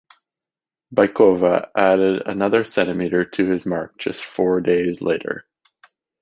Bykova added another centimetre to this mark just four days later.